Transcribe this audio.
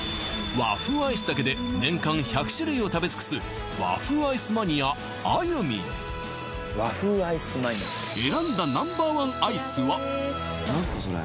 和風アイスだけで年間１００種類を食べ尽くす和風アイスマニアあゆみん選んだＮｏ．１アイスは？